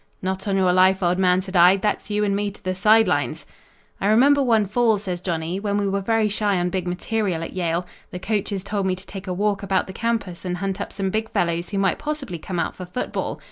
"'Not on your life, old man,' said I, 'that's you and me to the side lines!' "I remember one fall," says Johnny, "when we were very shy on big material at Yale. The coaches told me to take a walk about the campus and hunt up some big fellows who might possibly come out for football.